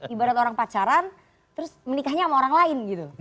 ibarat orang pacaran terus menikahnya sama orang lain gitu